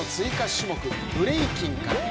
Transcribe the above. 種目ブレイキンから。